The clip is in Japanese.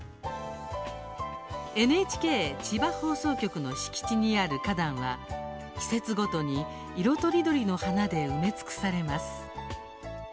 ＮＨＫ千葉放送局の敷地にある花壇は季節ごとに色とりどりの花で埋め尽くされます。